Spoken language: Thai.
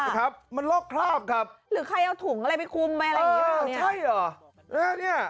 ใช่หรอ